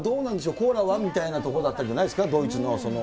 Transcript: コーラは、みたいなとこだったんじゃないでしょう？